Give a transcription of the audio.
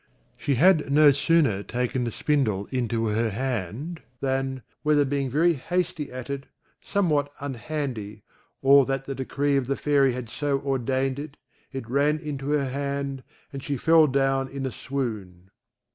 She had no sooner taken the spindle into her hand, than, whether being very hasty at it, somewhat unhandy, or that the decree of the Fairy had so ordained it, it ran into her hand, and she fell down in a swoon.